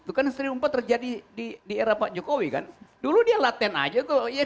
itu kan sering lupa terjadi di era pak jokowi kan dulu dia laten aja kok ya